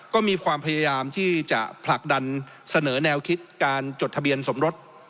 ก็มีความพยายามที่จะผลักดันเสนอแนวคิดการจดทะเบียนสมรส